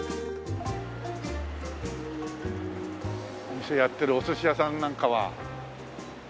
お店やっているおすし屋さんなんかは。